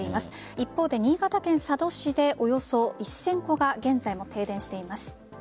一方で新潟県佐渡市でおよそ１０００戸が現在も停電しています。